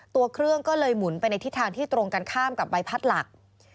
ตัวเครื่องก็เลยหมุนไปในทิศทางที่ตรงกันข้ามกับใบพัดหลัก